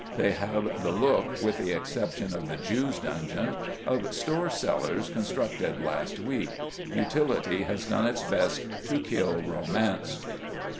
They have the look (with the exception of the Jews' dungeon) of store cellars constructed last week. Utility has done its best to kill romance.